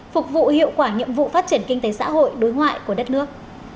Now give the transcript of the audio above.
phục vụ hiệu quả nhiệm vụ phát triển kinh tế xã hội đối ngoại của đất nước